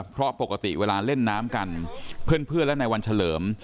เพราะปกติเวลาเล่นน้ำกันเพื่อนและในวันเฉลิม